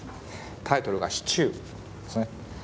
タイトルが「シチュー」ですね。